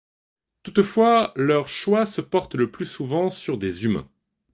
Toutefois, leur choix se porte le plus souvent sur des humains.